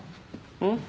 うん？